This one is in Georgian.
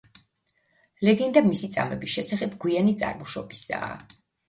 ლეგენდა მისი წამების შესახებ გვიანი წარმოშობისაა.